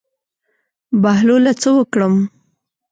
بهلوله څه وکړم.